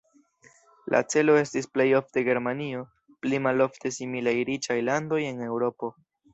La celo estis plej ofte Germanio, pli malofte similaj riĉaj landoj en Eŭropo.